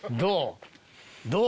どう？